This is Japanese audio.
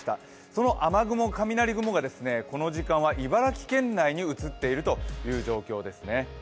その雨雲、雷雲がこの時間は茨城県内に移っているという状況です。